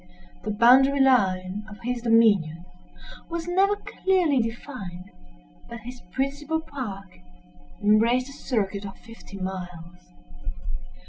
The boundary line of his dominions was never clearly defined; but his principal park embraced a circuit of fifty miles.